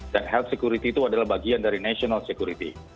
dan health security itu adalah bagian dari national security